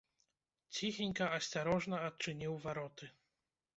Ціхенька, асцярожна адчыніў вароты.